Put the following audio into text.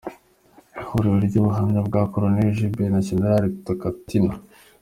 Ihuriro ry’ubuhamya bwa Col Jill na Gen. Rutatina